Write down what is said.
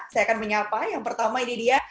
saya akan menyapa yang pertama ini dia